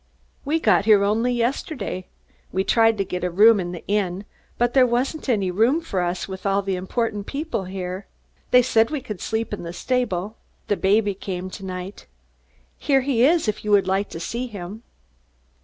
"We got here only yesterday. We tried to get a room in the inn, but there wasn't any room for us with all the important people here. They said we could sleep in the stable. The baby came tonight. Here he is, if you would like to see him."